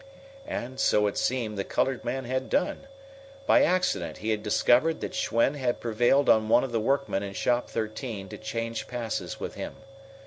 And, so it seemed, the colored man had done. By accident he had discovered that Schwen had prevailed on one of the workmen in Shop 13 to change passes with him.